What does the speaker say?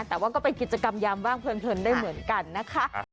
แต่ว่าก็เป็นกิจกรรมยามว่างเพลินได้เหมือนกันนะคะ